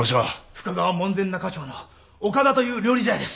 深川門前仲町の岡田という料理茶屋です。